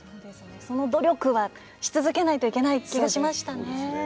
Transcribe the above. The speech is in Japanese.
その努力はし続けないといけない気がしましたね。